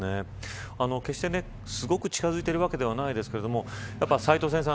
決してすごく近づいているわけではないですが斎藤先生